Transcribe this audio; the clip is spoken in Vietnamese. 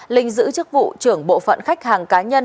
linh giữ chức vụ trưởng bộ phận khách hàng cá nhân